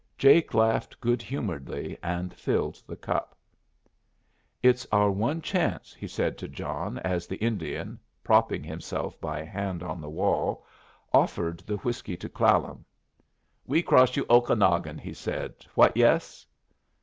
Jake laughed good humoredly, and filled the cup. "It's our one chance," said he to John as the Indian, propping himself by a hand on the wall, offered the whiskey to Clallam. "We cross you Okanagon," he said. "What yes?"